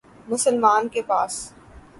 مسلمان کے پاس